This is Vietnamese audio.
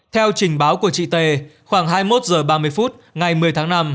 theo trình báo của chị t khoảng hai mươi một h ba mươi phút ngày một mươi tháng năm